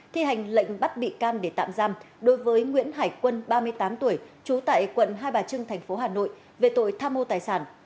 thi hành lệnh bắt bị can để tạm giam đối với nguyễn hải quân ba mươi tám tuổi trú tại quận hai bà trưng tp hà nội về tội tham mô tài sản